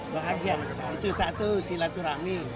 bahagia itu satu silaturahmi